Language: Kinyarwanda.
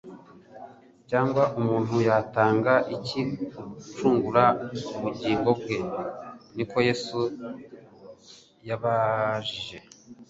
Cyangwa umuntu yatanga iki gucungura ubugingo bwe ?" Niko Yesu yabajije.